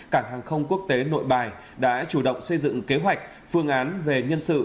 cảng hàng không quốc tế nội bài đã chủ động xây dựng kế hoạch phương án về nhân sự